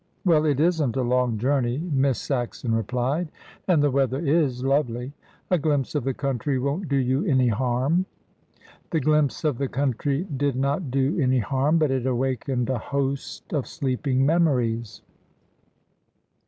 "Well, it isn't a long journey," Miss Saxon replied, "and the weather is lovely. A glimpse of the country won't do you any harm." The glimpse of the country did not do any harm, but it awakened a host of sleeping memories.